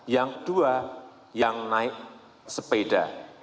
yang dua yang naik sepeda